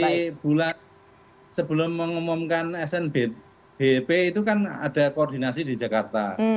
di bulan sebelum mengumumkan snbp itu kan ada koordinasi di jakarta